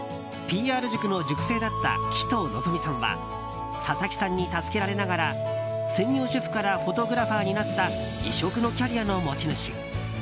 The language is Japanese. ＰＲ塾の塾生だった鬼頭望さんは笹木さんに助けられながら専業主婦からフォトグラファーになった異色のキャリアの持ち主。